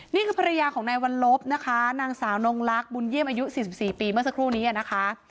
นี่คือภรรยาของนายวัลลบนะคะนางสาวนงลักษณ์บุญเยี่ยมอายุ๔๔ปีเมื่อสักครู่นี้นะคะ